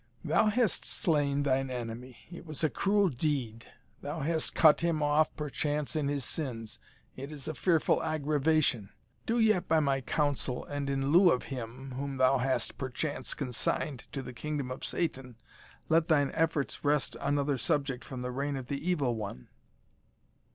"Thou hast slain thine enemy it was a cruel deed: thou hast cut him off perchance in his sins it is a fearful aggravation. Do yet by my counsel, and in lieu of him whom thou hast perchance consigned to the kingdom of Satan, let thine efforts wrest another subject from the reign of the Evil One."